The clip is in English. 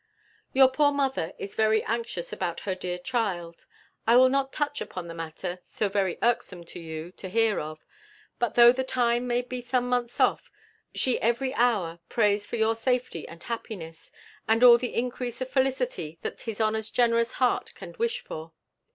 Your poor mother is very anxious about her dear child. I will not touch upon a matter so very irksome to you to hear of. But, though the time may be some months off, she every hour prays for your safety and happiness, and all the increase of felicity that his honour's generous heart can wish for.